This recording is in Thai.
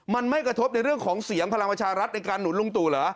มันไม่กระทบในเรื่องของเสียงพลังประชารัฐในการหนุนลุงตู่เหรอ